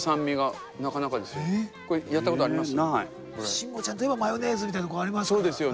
慎吾ちゃんといえばマヨネーズみたいなとこありますから。